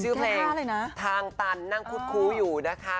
ชื่อเพลงอะไรนะทางตันนั่งคุดคู้อยู่นะคะ